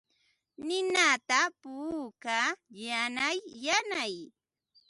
Ninata puukaa yanay yanay.